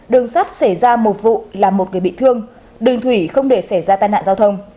đường sắt xảy ra một vụ làm một người bị thương đường thủy không để xảy ra tai nạn giao thông